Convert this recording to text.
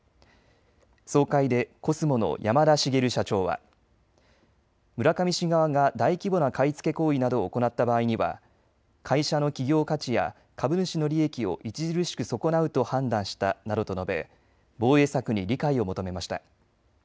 総会でコスモの山田茂社長は村上氏側が大規模な買い付け行為などを行った場合には会社の企業価値や株主の利益を著しく損なうと判断したなどと述べ防衛策に理解を求めました。